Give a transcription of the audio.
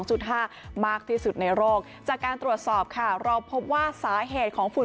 มากที่สุดในโรคจากการตรวจสอบค่ะเราพบว่าสาเหตุของฝุ่น